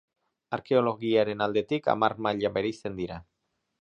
Arkeologiaren aldetik, hamar maila bereizten dira.